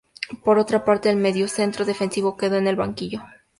Por otra parte, el mediocentro defensivo quedó en el banquillo.